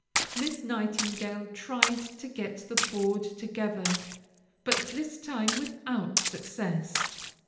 Miss Nightingale tried to get the board together, but this time without success.